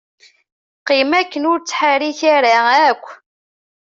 Qqim akken ur ttḥerrik ara akk.